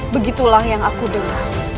begitulah yang aku dengar